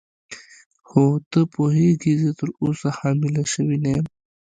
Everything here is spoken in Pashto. خو ته پوهېږې زه تراوسه حامله شوې نه یم.